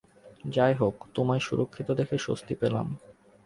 যাইহোক, তোমায় সুরক্ষিত দেখে স্বস্তি পেলাম।